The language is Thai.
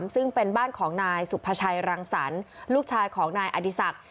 ซึ่งเป็นบ้านของนายสุภาชัยรังสรรค์ลูกชายของนายอดีศักดิ